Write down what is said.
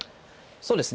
そうですね。